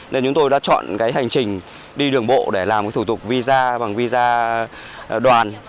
nên chúng tôi đã chọn hành trình đi đường bộ để làm thủ tục visa bằng visa đoàn